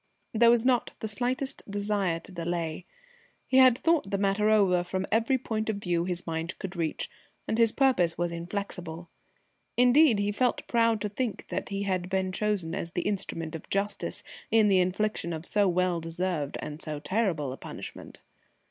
There was not the slightest desire to delay. He had thought the matter over from every point of view his mind could reach, and his purpose was inflexible. Indeed, he felt proud to think that he had been chosen as the instrument of justice in the infliction of so well deserved and so terrible a punishment.